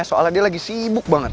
soalnya dia lagi sibuk banget